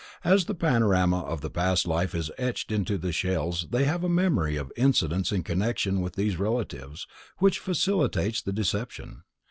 As the panorama of the past life is etched into the shells they have a memory of incidents in connection with these relatives, which facilitates the deception.